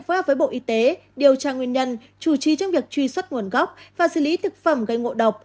phối hợp với bộ y tế điều tra nguyên nhân chủ trì trong việc truy xuất nguồn gốc và xử lý thực phẩm gây ngộ độc